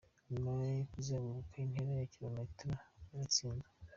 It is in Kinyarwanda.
Nyuma yo kuzenguruka intera ya kilometero, baratsinzwe.